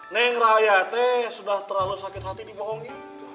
neng raya itu sudah terlalu sakit hati dibohongi